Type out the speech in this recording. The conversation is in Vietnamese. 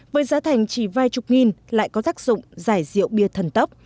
với giá thành chỉ vài chục nghìn lại có tác dụng giải rượu bia thần tốc